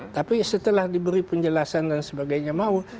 tapi setelah diberi penjelasan dan sebagainya mau